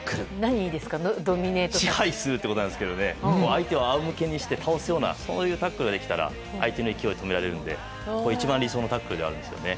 支配するということなんですが相手を仰向けにして倒すようなタックルができれば相手の勢いを止められるので一番理想なタックルですね。